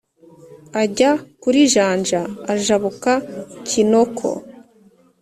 Ajya kuri Janja ajabuka Kinoko